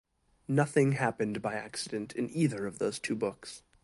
Nothing happens by accident in either of those two books.